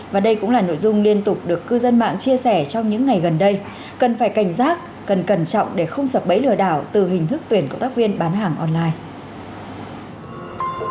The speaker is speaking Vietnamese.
và đây cũng là nội dung liên tục được cư dân mạng chia sẻ trong những ngày gần đây cần phải cảnh giác cần cẩn trọng để không sập bẫy lừa đảo từ hình thức tuyển cộng tác viên bán hàng online